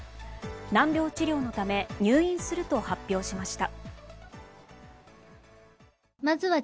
難病治療のため入院すると発表しました。